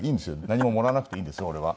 何ももらわなくていいんです俺は。